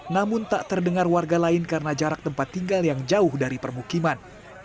namun tak terdengar warga lain karena jarak tempat tinggal yang jauh dari permukiman